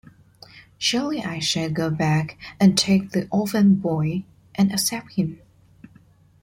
Surely I shall go back and take the orphan boy and accept him.